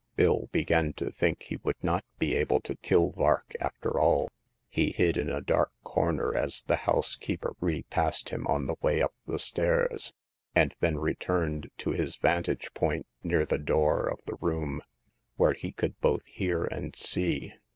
Bill began to think he would not be able to kill Vark after all. He hid in a dark corner as the housekeeper repassed him on the way up the stairs, and then returned to his vantage poiut tv^^ Vw^ ^^^^^ 292 Hagar of the Pawn Shop. the room, where he could both hear and see.